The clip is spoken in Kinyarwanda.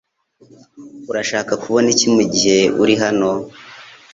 Urashaka kubona iki mugihe uri hano?